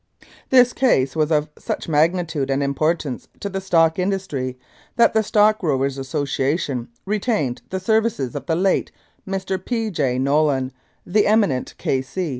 This case was of such magnitude and importance to the stock industry that the Stock Growers' Association retained the services of the late Mr. P. J. Nolan, the eminent K.C.